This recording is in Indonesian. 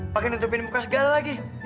pakai nutupin muka segala lagi